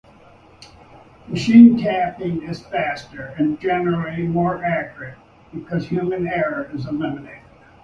Machine tapping is faster, and generally more accurate because human error is eliminated.